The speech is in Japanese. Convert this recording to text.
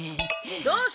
どうする？